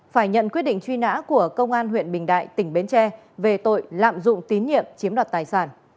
phải nhận quyết định truy nã của công an huyện bình đại tỉnh bến tre về tội lạm dụng tín nhiệm chiếm đoạt tài sản